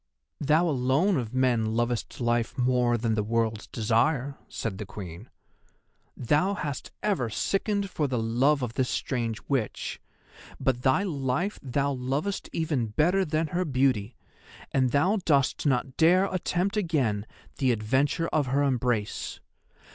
"Thou alone of men lovest life more than the World's Desire!" said the Queen. "Thou hast ever sickened for the love of this strange Witch, but thy life thou lovest even better than her beauty, and thou dost not dare attempt again the adventure of her embrace.